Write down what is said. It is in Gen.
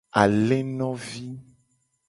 Alenovi.